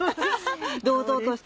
堂々として。